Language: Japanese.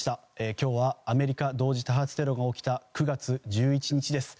今日はアメリカ同時多発テロが起きた９月１１日です。